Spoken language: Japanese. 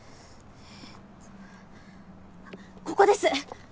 えとここです！